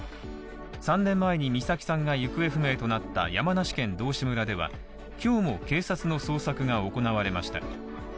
３年前に美咲さんが行方不明となった山梨県道志村では、今日も警察の捜索が行われました。